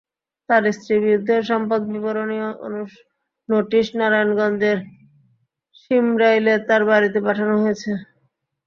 তাঁর স্ত্রীর বিরুদ্ধেও সম্পদ বিবরণীর নোটিশ নারায়ণগঞ্জের শিমরাইলে তাঁর বাড়িতে পাঠানো হয়েছে।